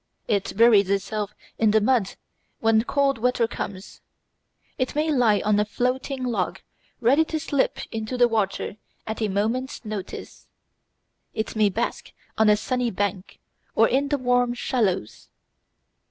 It buries itself in the mud when cold weather comes. It may lie on a floating log ready to slip into the water at a moment's notice; it may bask on a sunny bank or in the warm shallows.